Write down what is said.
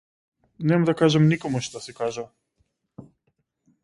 Нема да кажам никому што си кажал.